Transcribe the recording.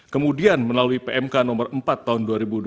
kemudian melalui pmk nomor empat tahun dua ribu dua puluh